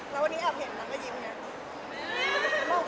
แล้ววันนี้แอบเห็นแล้วก็ยิ้มไง